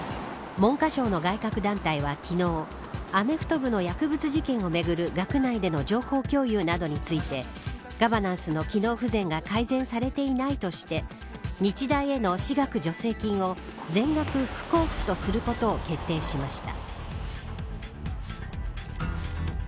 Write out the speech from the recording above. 文科省も外郭団体は昨日アメフト部の薬物事件をめぐる学内での情報共有などについてガバナンスの機能不全が改善されていないとして日大への私学助成金を全額不交付とすることを決定しました。